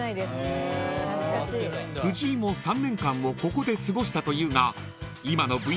［藤井も３年間をここで過ごしたというが今の］